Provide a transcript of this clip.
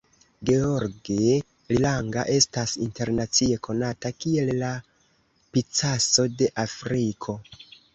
George Lilanga estas internacie konata kiel "la Picasso de Afriko".